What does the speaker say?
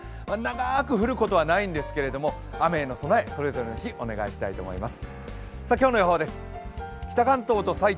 長く降ることはないんですけど、雨への備え、それぞれの日、お願いします。